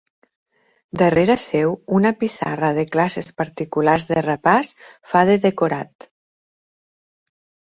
Darrere seu, una pissarra de classes particulars de repàs fa de decorat.